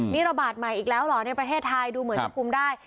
นี่ระบาดใหม่อีกแล้วเหรอในประเทศไทยดูเหมือนจะคุมได้